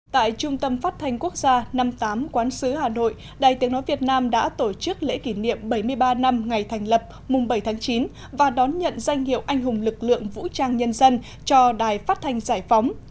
tại trung tâm phát thanh quốc gia năm mươi tám quán sứ hà nội đài tiếng nói việt nam đã tổ chức lễ kỷ niệm bảy mươi ba năm ngày thành lập mùng bảy tháng chín và đón nhận danh hiệu anh hùng lực lượng vũ trang nhân dân cho đài phát thanh giải phóng